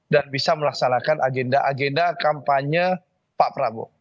dan bisa melaksanakan agenda agenda kampanye pak prabowo